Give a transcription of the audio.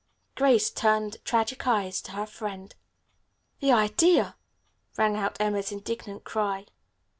Grace turned tragic eyes to her friend. "The idea!" rang out Emma's indignant cry.